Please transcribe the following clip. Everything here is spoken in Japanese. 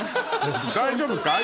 大丈夫かい？